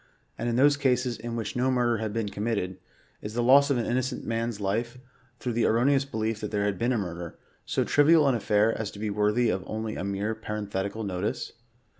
And in those cases " in which no murder had been committed,'^ is the loss of an innocent man's life, through the erroneous belief that there had been murder, so trivial an affair as to be worthy of only a mere parenthetical notice